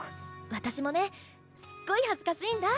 私もねすっごい恥ずかしいんだ。